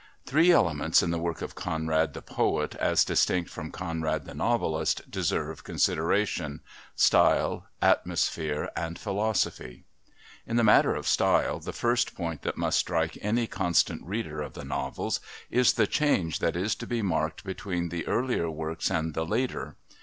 Three elements in the work of Conrad the poet as distinct from Conrad the novelist deserve consideration style, atmosphere and philosophy. In the matter of style the first point that must strike any constant reader of the novels is the change that is to be marked between the earlier works and the later.